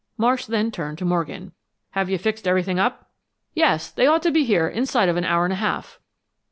Marsh then turned to Morgan. "Have you fixed everything up?" "Yes, they ought to be here inside of an hour and a half."